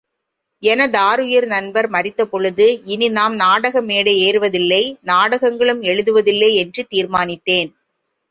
எனதாருயிர் நண்பர் மரித்தபொழுது, இனி நாம் நாடக மேடையேறுவதில்லை நாடகங்களும் எழுதுவதில்லை என்று தீர்மானித்தேன்.